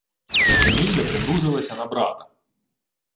Гримільда примружилася на брата: